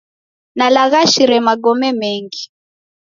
Nalaghashire magome mengi.